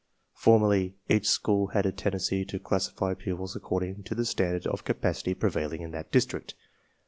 Formerly, each school had a tendency to classify pupils according to the standard of capacity prevailing in that district.